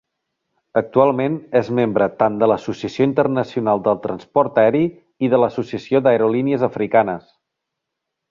Actualment és membre tant de l'Associació Internacional del Transport Aeri i de l'Associació d'Aerolínies Africanes.